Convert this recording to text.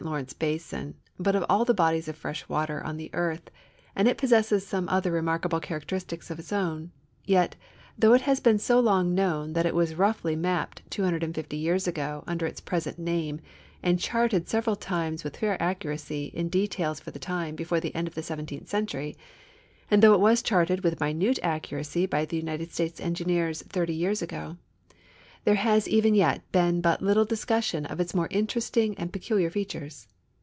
aAvrence hasin, but of all the bodies of fresh water on tlie earth, and it possesses some other remarkable characteristics of its own ; yet, though it has been so long known tiiat it was roughly majiped 250 years ago under its present name, and charted several times with fair accuracy in details for the time l)ef()re the end of the 17th century, and though it was charted with minute accuracy by the riute<l States engineers 30 years ago, there has even yet been l)ut little discussion of its more interesting and peculiar features.